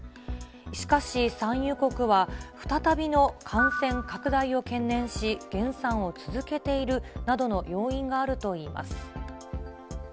しかし、産油国は、再びの感染拡大を懸念し、減産を続けているなどの要因があるといいます。